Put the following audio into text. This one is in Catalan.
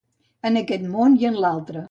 En aquest món i en l'altre.